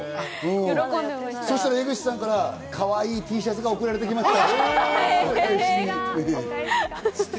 そしたら江口さんからかわいいＴシャツが送られてきました。